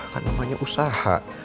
kan namanya usaha